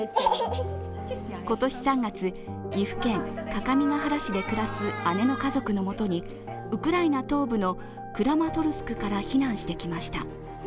今年３月、岐阜県各務原市で暮らす姉の家族のもとにウクライナ東部のクラマトルスクから避難してきました。